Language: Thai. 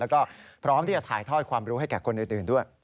แล้วก็พร้อมที่จะถ่ายทอดความรู้ให้แก่คนอื่นด้วย